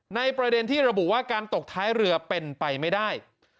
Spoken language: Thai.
ประเด็นที่ระบุว่าการตกท้ายเรือเป็นไปไม่ได้